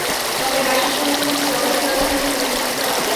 তবে কাশির সঙ্গে যদি জ্বর হয়, তাহলে কিন্তু গুরুত্ব দিতে হবে।